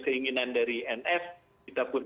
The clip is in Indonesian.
keinginan dari nf kita pun